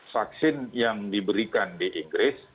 vaksin yang diberikan di inggris